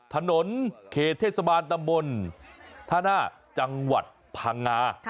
ถนนเขตเทศบาลตำบลท่าหน้าจังหวัดพังงา